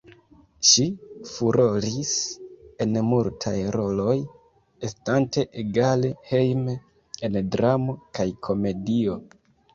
Ŝi furoris en multaj roloj, estante egale hejme en dramo kaj komedio.